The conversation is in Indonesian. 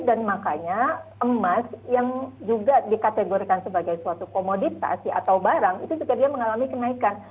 dan makanya emas yang juga dikategorikan sebagai suatu komoditas atau barang itu juga dia mengalami kenaikan